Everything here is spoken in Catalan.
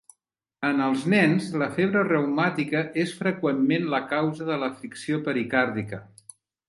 En els nens, la febre reumàtica és freqüentment la causa de la fricció pericardíaca.